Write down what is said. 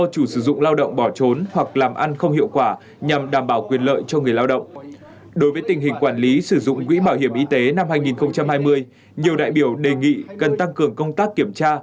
trước khi sử dụng quỹ bảo hiểm y tế năm hai nghìn hai mươi nhiều đại biểu đề nghị cần tăng cường công tác kiểm tra